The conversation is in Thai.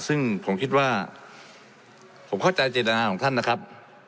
ซึ่งผมคิดว่าผมเข้าใจเจตนาของท่านนะครับ